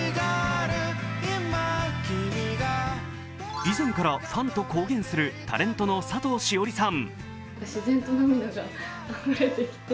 以前からファンと公言するタレントの佐藤栞里さん。